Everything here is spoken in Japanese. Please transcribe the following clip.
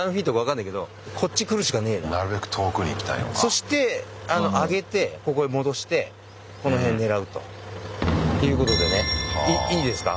そして揚げてここへ戻してこの辺狙うと。っていうことでねいいですか？